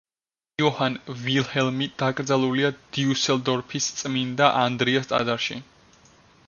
იოჰან ვილჰელმი დაკრძალულია დიუსელდორფის წმინდა ანდრიას ტაძარში.